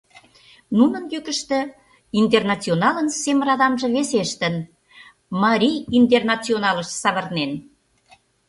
Нунын йӱкыштӧ «Интернационалын» сем радамже весештын, «Марий интернационалыш» савырнен.